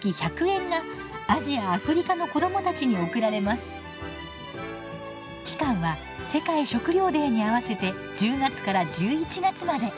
すると期間は世界食料デーに合わせて１０月から１１月まで。